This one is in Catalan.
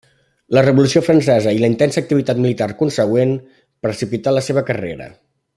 La Revolució Francesa, i la intensa activitat militar consegüent, precipità la seva carrera.